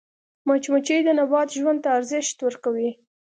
مچمچۍ د نبات ژوند ته ارزښت ورکوي